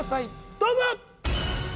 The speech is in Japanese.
どうぞ！